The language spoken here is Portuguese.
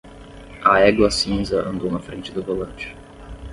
A égua cinza andou na frente do volante.